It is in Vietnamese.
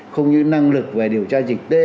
không như năng lực về điều tra dịch tế